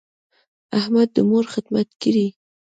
احمد د مور خدمت کړی.